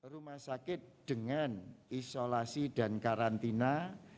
rumah sakit dengan isolasi dan karantina